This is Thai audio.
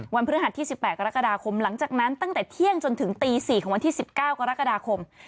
พฤหัสที่๑๘กรกฎาคมหลังจากนั้นตั้งแต่เที่ยงจนถึงตี๔ของวันที่๑๙กรกฎาคม